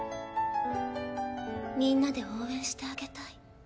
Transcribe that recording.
みんなで応援してあげたい。